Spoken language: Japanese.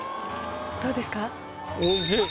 どうですか？